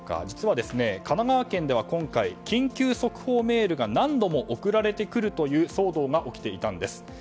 実は、神奈川県では今回緊急速報メールが何度も送られてくるという騒動が起きていたんです。